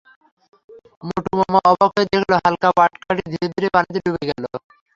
মোটুমামা অবাক হয়ে দেখল হালকা পাটকাঠি ধীরে ধীরে পানিতে ডুবে গেল।